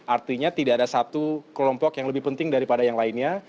artinya tidak ada satu kelompok yang lebih penting daripada yang lainnya